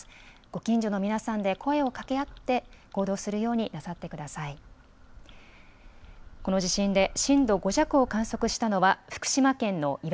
ご近所の皆さんで声をかけ合って行動するようになさってください。